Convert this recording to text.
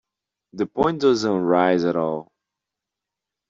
The point doesn't arise at all.